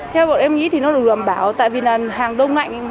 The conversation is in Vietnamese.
theo bọn em nghĩ thì nó được đảm bảo tại vì là hàng đông lạnh